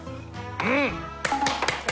うん！